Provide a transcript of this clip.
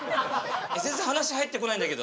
全然話入ってこないんだけど。